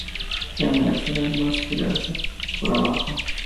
En Venezuela es más grisáceo por abajo.